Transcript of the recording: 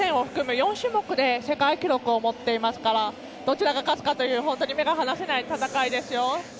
４種目で世界記録を持っていますからどちらが勝つか目が離せない戦いですよ。